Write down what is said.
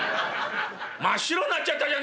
真っ白になっちゃったじゃねえかよ」。